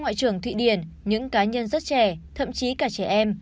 ngoại trưởng thụy điển những cá nhân rất trẻ thậm chí cả trẻ em